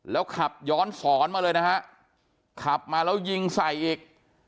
แล้วขับย้อนสอนมาเลยนะฮะขับมาแล้วยิงใส่อีก